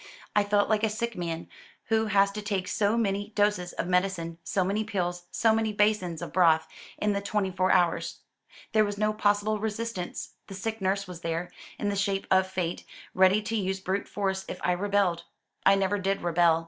I felt like a sick man who has to take so many doses of medicine, so many pills, so many basins of broth, in the twenty four hours. There was no possible resistance. The sick nurse was there, in the shape of Fate, ready to use brute force if I rebelled. I never did rebel.